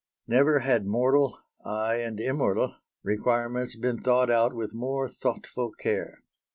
Never had mortal aye and immortal requirements been thought out with more thoughtful care.